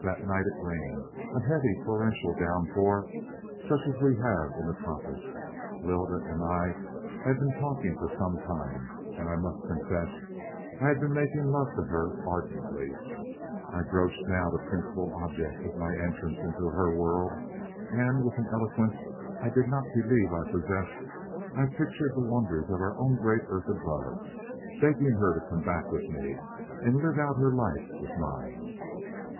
"That night it rained a heavy, torrential downpour, such as we have in the tropics. Lylda and I had been talking for some time, and, I must confess, I had been making love to her ardently. I broached now the principal object of my entrance into her world, and, with an eloquence I did not believe I possessed, I pictured the wonders of our own great earth above, begging her to come back with me and live out her life with mine.